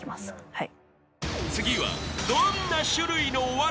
はい。